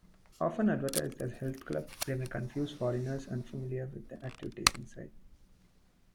Often advertised as "health clubs", they may confuse foreigners unfamiliar with the activities inside.